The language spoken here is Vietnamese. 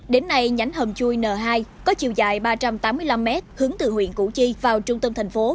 đến nay nhánh hầm chui n hai có chiều dài ba trăm tám mươi năm m hướng từ huyện củ chi vào trung tâm thành phố